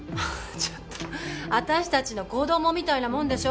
ちょっと私達の子供みたいなもんでしょ